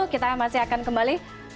kita masih akan kembali